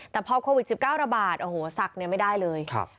แต่พอโควิด๑๙ระบาดศักดิ์ไม่ได้เลย